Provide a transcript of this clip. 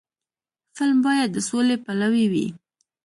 فلم باید د سولې پلوي وي